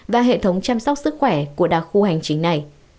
và hệ thống chăm sóc sức khỏe của đặc khu hành chính này